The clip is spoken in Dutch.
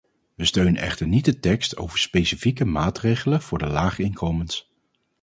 We steunen echter niet de tekst over specifieke maatregelen voor de lage inkomens.